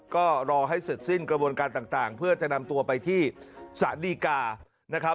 ก็รอให้เสร็จสิ้นกระบวนการต่างเพื่อจะนำตัวไปที่สารดีกานะครับ